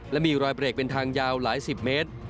และมีรอยเบรกเป็นทางยาวหลายสิบเมตร